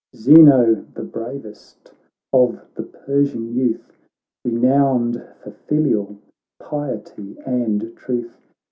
Zeno, the bravest of the Persian youth. Renowned for filial piety and truth.